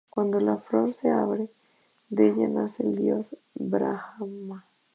Cuando la flor se abre, de ella nace el dios Brahmá.